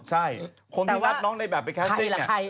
ใช่คนที่รักน้องในแบบไปแคสติ้งเนี่ย